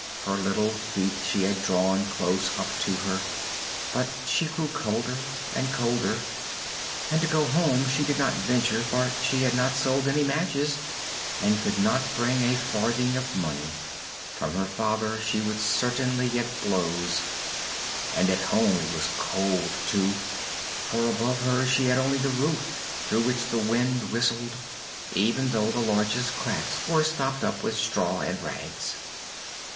Her little feet she had drawn close up to her, but she grew colder and colder, and to go home she did not venture, for she had not sold any matches and could not bring a farthing of money: from her father she would certainly get blows, and at home it was cold too, for above her she had only the roof, through which the wind whistled, even though the largest cracks were stopped up with straw and rags.